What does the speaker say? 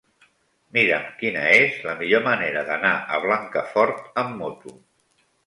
Mira'm quina és la millor manera d'anar a Blancafort amb moto.